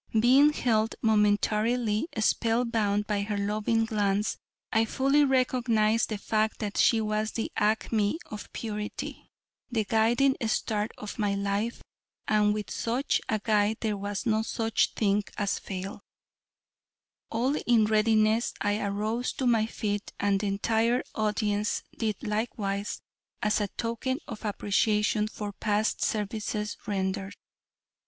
Being held momentarily spellbound by her loving glance, I fully recognized the fact that she was the acme of purity the guiding star of my life. And with such a guide there was no such thing as fail. All in readiness, I arose to my feet and the entire audience did likewise, as a token of appreciation for past services rendered.